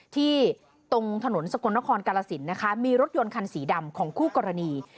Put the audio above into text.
ตรงถนนสกลนครกาลสินนะคะมีรถยนต์คันสีดำของคู่กรณี